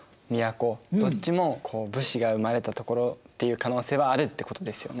どっちも武士が生まれた所っていう可能性はあるってことですよね？